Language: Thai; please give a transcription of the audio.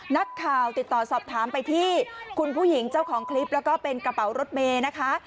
นักข่าวติดต่อสอบถามไปที่คุณผู้หญิงเจ้าของคลิปแล้วก็เป็นกระเป๋ารถเมย์นะคะ